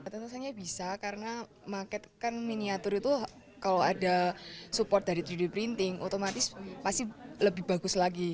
tentu saja bisa karena market kan miniatur itu kalau ada support dari tiga d printing otomatis masih lebih bagus lagi